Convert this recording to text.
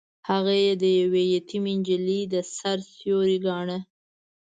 هغه يې د يوې يتيمې نجلۍ د سر سيوری ګاڼه.